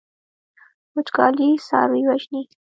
وچکالي څاروي وژني.